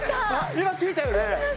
今ついたよね